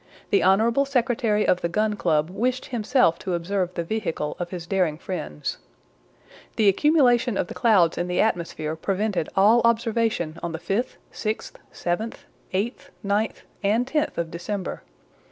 The honorable secretary of the Gun Club wished himself to observe the vehicle of his daring friends. The accumulation of the clouds in the atmosphere prevented all observation on the 5th, 6th, 7th, 8th, 9th, and 10th of December.